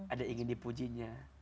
ada ingin dipujinya